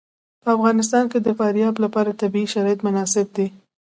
په افغانستان کې د فاریاب لپاره طبیعي شرایط مناسب دي.